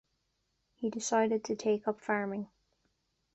He decided to take up farming.